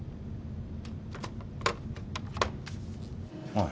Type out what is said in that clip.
おい。